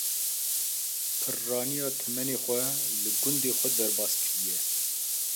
Pirraniya temenê xwe li gundê xwe derbaskiriye.